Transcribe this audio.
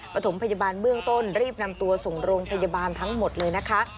ประถมพยาบาลเบื้องต้นรีบนำตัวส่งโรงพยาบาลทั้งหมดเลยนะคะ